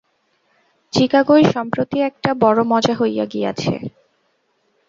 চিকাগোয় সম্প্রতি একটা বড় মজা হইয়া গিয়াছে।